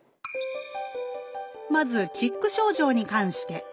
まずチック症状に関して。